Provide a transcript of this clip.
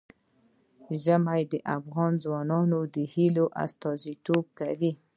ژمی د افغان ځوانانو د هیلو استازیتوب کوي.